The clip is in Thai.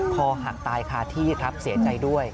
คอหักตายคาที่ครับเสียใจด้วย